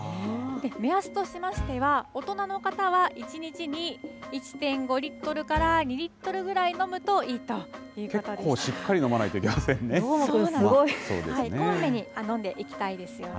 目安としましては、大人の方は１日に１．５リットルから２リットルぐらい飲むといいということで結構しっかり飲まないといけそうですね。